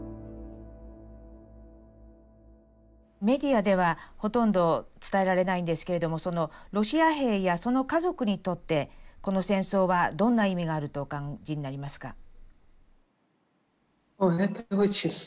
メディアではほとんど伝えられないんですけれどもロシア兵やその家族にとってこの戦争はどんな意味があるとお感じになりますか？